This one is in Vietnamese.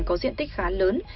có diện tích khá lớn